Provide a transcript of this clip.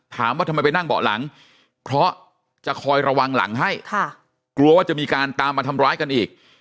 ถามว่าทำไมไปนั่งเบาะหลังเพราะจะคอยระวังหลังให้ค่ะกลัวว่าจะมีการตามมาทำร้ายกันอีก